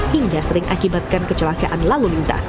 hingga sering akibatkan kecelakaan lalu lintas